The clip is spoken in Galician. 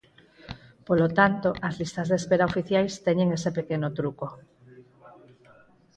Polo tanto, as listas de espera oficiais teñen ese pequeno truco.